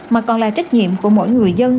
mà còn là trách nhiệm của mỗi người dân